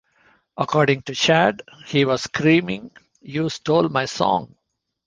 According to Chad, he was screaming, You stole my song!